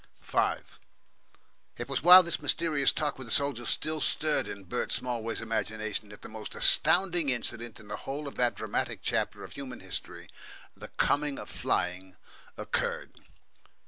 5 It was while this mysterious talk with the soldier still stirred in Bert Smallways' imagination that the most astounding incident in the whole of that dramatic chapter of human history, the coming of flying, occurred.